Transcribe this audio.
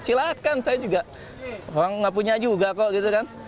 silahkan saya juga orang nggak punya juga kok gitu kan